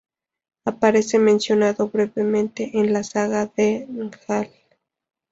Aparece mencionado brevemente en la "saga de Njál".